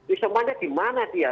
isomannya di mana dia